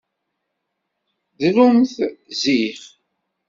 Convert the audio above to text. Dlumt ziɣ.